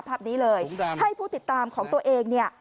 ภาพนี้เลย